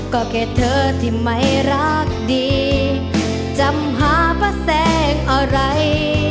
ก็แค่เธอที่ไม่รักดีจำหาป้าแสงอะไร